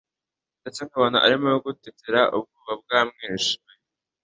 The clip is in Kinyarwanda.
ndetse nkabona arimo gutitira ubwoba bwamwishe